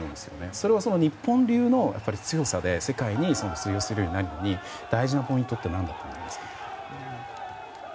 それが日本流の強さで世界に通用するために大事なポイントって何だと思いますか？